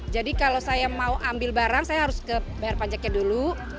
jadi kalau saya mau ambil barang saya harus bayar pajaknya dulu